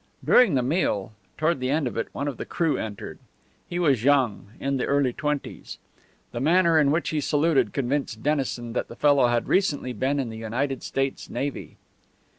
During the meal, toward the end of it, one of the crew entered. He was young in the early twenties. The manner in which he saluted convinced Dennison that the fellow had recently been in the United States Navy.